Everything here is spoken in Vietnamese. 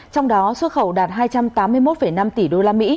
trong đó xuất khẩu đạt hai trăm tám mươi một năm tỷ usd